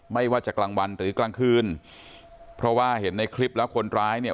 ไม่ว่าจะกลางวันหรือกลางคืนเพราะว่าเห็นในคลิปแล้วคนร้ายเนี่ย